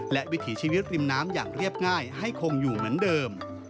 และวิถีชีวิตริมน้ำอย่างเรียบง่ายให้คงอยู่เหมือนเดิม